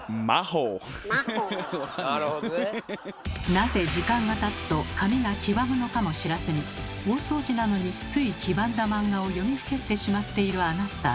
なぜ時間がたつと紙が黄ばむのかも知らずに大掃除なのについ黄ばんだマンガを読みふけってしまっているあなた。